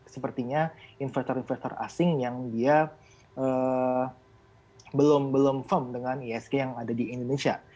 sepertinya investor investor asing yang dia belum firm dengan isg yang ada di indonesia